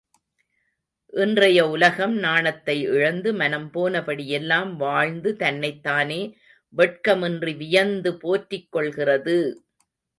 இன்றைய உலகம் நாணத்தை இழந்து மனம் போனபடியெல்லாம் வாழ்ந்து தன்னைத்தானே வெட்கமின்றி வியந்து போற்றிக் கொள்கிறது!